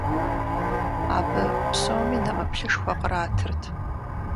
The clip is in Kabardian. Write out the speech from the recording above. Абы псоми нэмыплъышхуэ къратырт.